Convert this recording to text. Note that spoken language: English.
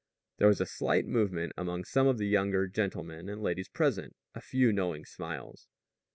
There was a slight movement among some of the younger gentlemen and ladies present a few knowing smiles.